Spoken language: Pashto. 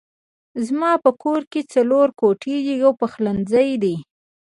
زما په کور کې څلور کوټې دي يو پخلنځی دی